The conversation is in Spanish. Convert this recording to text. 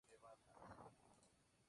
Fue utilizada en todos los servicios.